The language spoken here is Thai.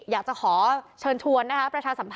อยากจะขอเชิญชวนนะคะประชาสัมพันธ